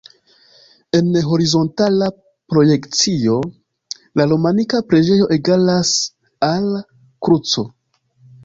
En horizontala projekcio la romanika preĝejo egalas al kruco.